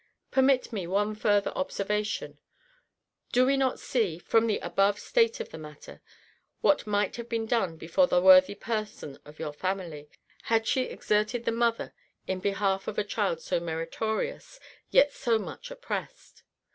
Permit me one further observation Do we not see, from the above state of the matter, what might have been done before by the worthy person of your family, had she exerted the mother, in behalf of a child so meritorious, yet so much oppressed?